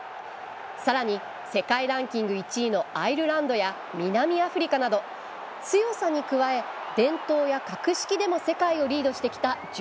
さらに世界ランキング１位のアイルランドや南アフリカなど強さに加え、伝統や格式でも世界をリードしてきた１０チーム。